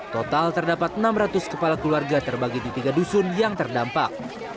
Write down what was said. total terdapat enam ratus kepala keluarga terbagi di tiga dusun yang terdampak